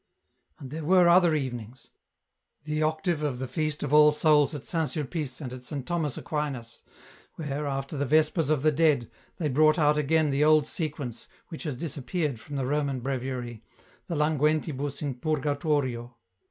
And there were other evenings ... the Octave of the Feast of All Souls at St. Sulpice and at St. Thomas Aquinas, where, after the Vespers of the Dead, they brought out again the old Sequence which has disappeared from the Roman Breviary, the "Languentibusin Purgatorio."